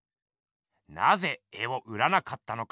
なぜ絵を売らなかったのか？